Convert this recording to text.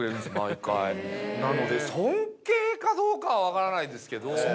なので尊敬かどうかは分からないですけど。